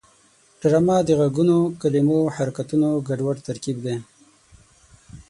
ډرامه د غږونو، کلمو او حرکتونو ګډوډ ترکیب دی